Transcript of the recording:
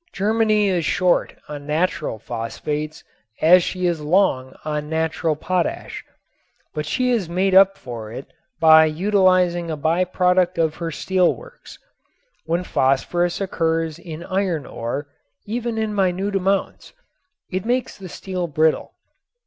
Germany is short on natural phosphates as she is long on natural potash. But she has made up for it by utilizing a by product of her steelworks. When phosphorus occurs in iron ore, even in minute amounts, it makes the steel brittle.